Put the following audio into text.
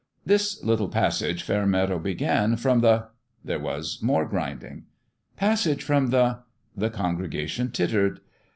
" This little passage," Fairmeadow began, " from the " There was more grinding. " Passage from the " The congregation tittered.